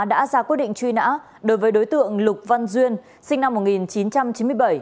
đã ra quyết định truy nã đối với đối tượng lục văn duyên sinh năm một nghìn chín trăm chín mươi bảy